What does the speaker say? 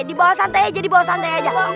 dibawa santai aja dibawa santai aja